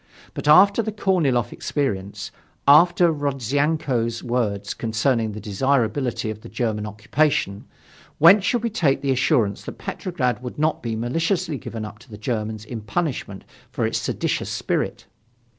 But after the Korniloff experience, after Rodzyanko's words concerning the desirability of the German occupation, whence should we take the assurance that Petrograd would not be maliciously given up to the Germans in punishment for its seditious spirit?